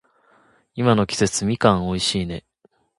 今の季節、みかん美味しいね。